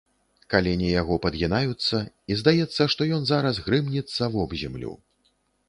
Калені яго падгінаюцца, і здаецца, што ён зараз грымнецца вобземлю.